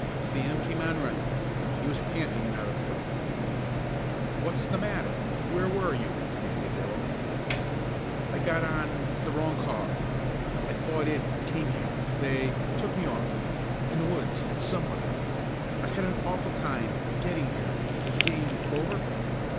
Sam came on running. He was panting and out of breath. "What's the matter? Where were you?" demanded Darrell. "I got on the wrong car. I thought it came here. They took me off in the woods somewhere. I've had an awful time getting here. Is the game over?"